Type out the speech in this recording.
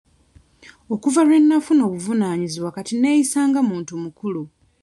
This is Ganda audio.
Okuva lwe nnafuna obuvunaanyizibwa kati nneeyisa nga muntu mukulu.